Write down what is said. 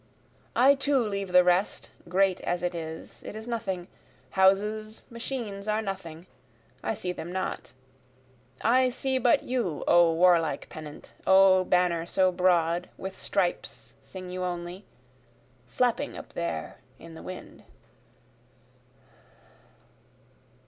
I too leave the rest great as it is, it is nothing houses, machines are nothing I see them not, I see but you, O warlike pennant! O banner so broad, with stripes, sing you only, Flapping up there in the wind.